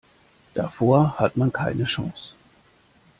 Davor hat man keine Chance.